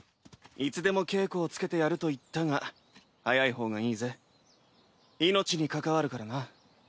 いつでも稽古をつけてやると言ったが早い方がいいぜ命にかかわるからな。